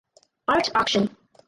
Art Auction.